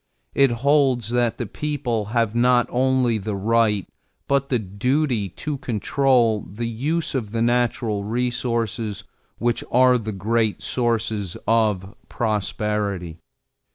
It holds that the people have not only the right, but the duty to control the use of the natural resources, which are the great sources of prosperity.